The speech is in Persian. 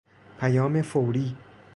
پیام فوری